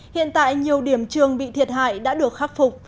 hiện tại nhiều điểm trường bị thiệt hại đã được khắc phục